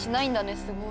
すごい。